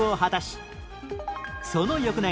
その翌年